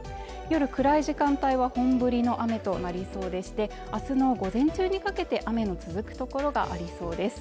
夜暗い時間帯は本降りの雨となりそうでして明日の午前中にかけて雨の続く所がありそうです